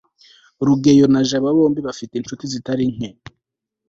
rugeyo na jabo bombi bafite inshuti zitari nke